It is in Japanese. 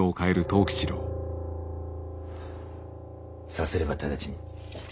さすれば直ちに。